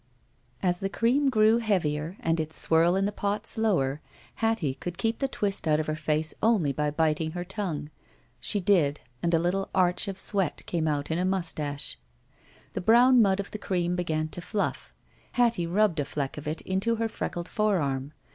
As the cream grew heavier and its swirl in the pot slower, Hattie could keep the twist out of her flace only by biting her tongue. She did, and a little arch of sweat came out in a mustache. The brown mud of the cream began to fluflf . Hattie rubbed a fleck of it into her freckled forearm.